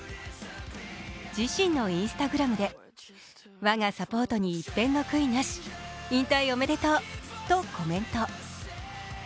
自身のＩｎｓｔａｇｒａｍで「我がサポートに一片の悔いなし！！！引退おめでとう」とコメント。